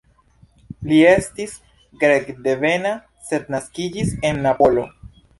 Li estis grekdevena, sed naskiĝis en Napolo.